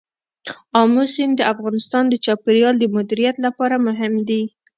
آمو سیند د افغانستان د چاپیریال د مدیریت لپاره مهم دي.